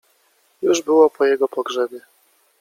Już było po jego pogrzebie.